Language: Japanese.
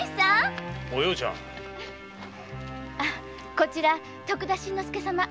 こちら徳田新之助様。